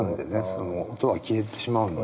その音は消えてしまうので。